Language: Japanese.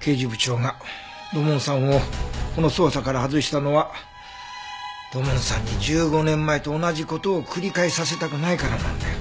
刑事部長が土門さんをこの捜査から外したのは土門さんに１５年前と同じ事を繰り返させたくないからなんだよ。